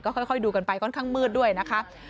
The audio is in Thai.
ค่อยดูกันไปค่อนข้างมืดด้วยนะคะ